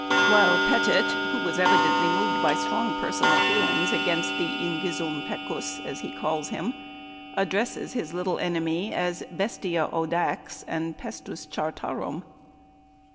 while Petit, who was evidently moved by strong personal feelings against the "invisum pecus," as he calls him, addresses his little enemy as "Bestia audax" and "Pestis chartarum."